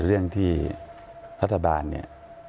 เรื่องที่รัฐบาลเนี่ย